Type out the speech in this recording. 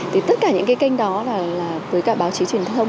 thì tất cả những cái kênh đó là với cả báo chí truyền thông